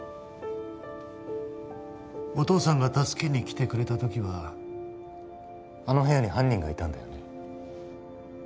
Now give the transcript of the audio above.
お父さんが助けに来てくれた時はあの部屋に犯人がいたんだよね？